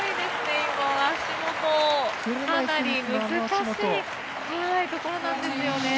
今、足元かなり難しいところなんですよね。